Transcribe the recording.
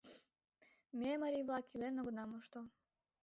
Ме, марий-влак, илен огына мошто.